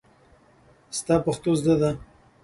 ستا پښتو زده ده.